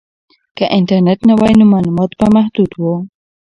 که انټرنیټ نه وای نو معلومات به محدود وو.